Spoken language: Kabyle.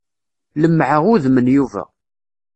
Lemmɛeɣ udem n Yuba.